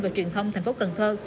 và truyền thông thành phố cần thơ